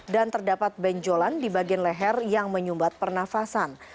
dan terdapat benjolan di bagian leher yang menyumbat pernafasan